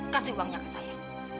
kasih uangnya ke saya